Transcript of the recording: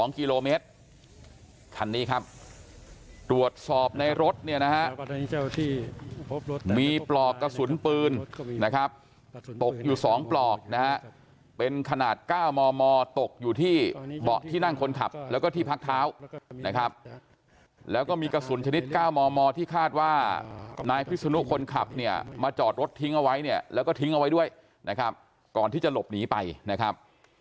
กิโลเมตรคันนี้ครับตรวจสอบในรถเนี่ยนะฮะมีปลอกกระสุนปืนนะครับตกอยู่๒ปลอกนะฮะเป็นขนาด๙มมตกอยู่ที่เบาะที่นั่งคนขับแล้วก็ที่พักเท้านะครับแล้วก็มีกระสุนชนิด๙มมที่คาดว่านายพิศนุคนขับเนี่ยมาจอดรถทิ้งเอาไว้เนี่ยแล้วก็ทิ้งเอาไว้ด้วยนะครับก่อนที่จะหลบหนีไปนะครับ